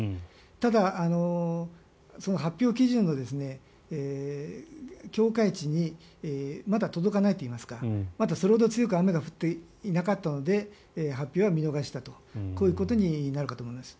ただ、その発表基準の境界値にまだ届かないといいますかまだそれほど雨が強く降っていなかったので発表は見逃したということになるかと思います。